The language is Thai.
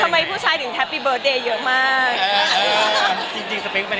ทำไมผู้ชายถึงแฮปปี้เบิร์ตเดย์เยอะมาก